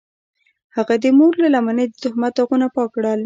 هغه د مور له لمنې د تهمت داغونه پاک کړل.